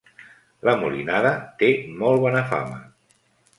La Molinada té molt bona fama.